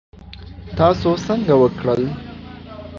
تاسو څنګه وکړل؟